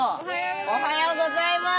おはようございます。